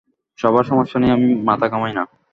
সবার সমস্যা নিয়ে আমি মাথা ঘামাই না।